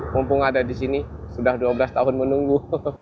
mumpung ada di sini sudah dua belas tahun menunggu